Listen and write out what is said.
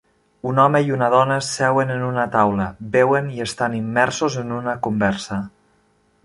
Un home i una dona seuen en una taula, beuen i estan immersos en una conversa.